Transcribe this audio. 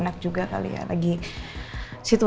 dan itu aku punya yang selesai ya